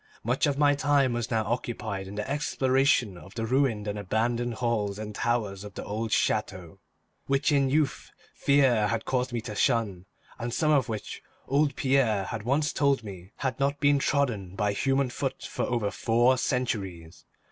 Much of my time was now occupied in the exploration of the ruined and abandoned halls and towers of the old chateau, which in youth fear had caused me to shun, and some of which old Pierre had once told me had not been trodden by human foot for over four centuries.